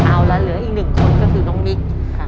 เอาละเหลืออีกหนึ่งคนก็คือน้องนิก